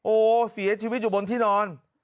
โอเสียชีวิตอยู่บนที่นอน